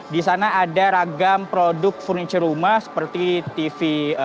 di sana ada ragam produk furniture rumah seperti tv